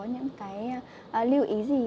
những cái lưu ý gì